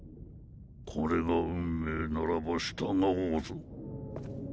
これが運命ならば従おうぞ。